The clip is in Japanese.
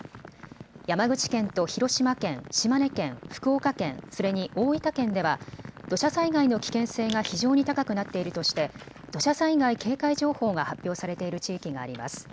山口県と広島県、島根県、福岡県、それに大分県では土砂災害の危険性が非常に高くなっているとして土砂災害警戒情報が発表されている地域があります。